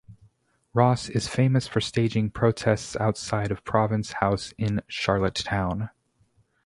Ross is famous for staging protests outside of Province House in Charlottetown.